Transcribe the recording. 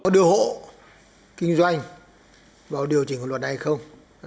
đưa hộ kinh doanh vào điều chỉnh của luật này không